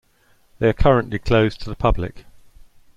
They are currently closed to the public.